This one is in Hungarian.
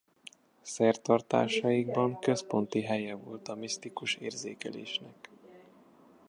Szertartásaikban központi helye volt a misztikus érzékelésnek.